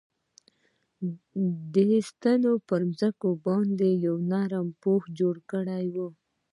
دې ستنو په ځمکه باندې یو نرم پوښ جوړ کړی و